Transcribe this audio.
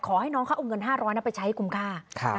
ขอให้น้องเขาเอาเงิน๕๐๐ไปใช้คุ้มค่า